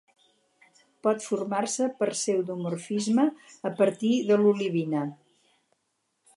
Pot formar-se per pseudomorfisme a partir de l'olivina.